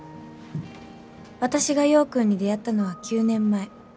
私が陽君に出会ったのは９年前。